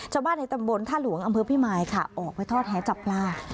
ชาวบ้านในตำบลท่าหลวงังเภอพี่มายนะคะออกไปท่อแท้จับปลา